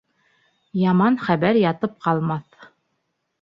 Яман хәбәр ятып ҡалмаҫ.